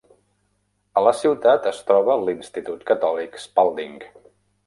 A la ciutat es troba l'Institut Catòlic Spalding.